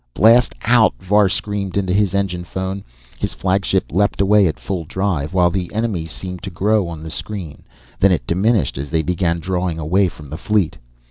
"Blast out!" Var screamed into his engine phone. His flagship leaped away at full drive, while the enemy seemed to grow on the screen. Then it diminished as they began drawing away from the fleet.